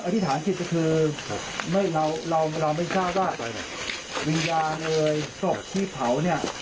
อธิษฐานจิตก็คือเราเราไม่ทราบว่าวิญญาณเลยศพที่เผาเนี่ย